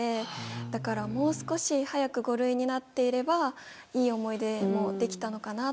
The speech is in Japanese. だから、もう少し早く５類になっていればいい思い出もできたのかなと。